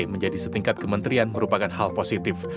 menjadi setingkat kementerian merupakan hal positif